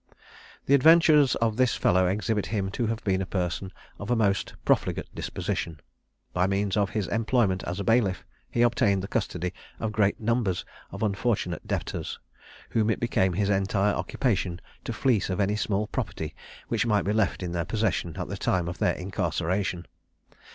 The adventures of this fellow exhibit him to have been a person of a most profligate disposition. By means of his employment as a bailiff, he obtained the custody of great numbers of unfortunate debtors, whom it became his entire occupation to fleece of any small property which might be left in their possession at the time of their incarceration.